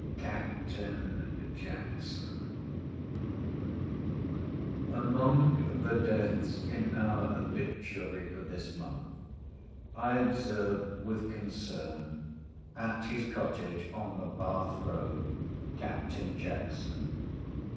CAPTAIN JACKSON Among the deaths in our obituary for this month, I observe with concern "At his cottage on the Bath road, Captain Jackson."